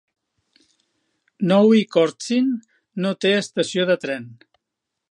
Nowy Korczyn no té estació de tren.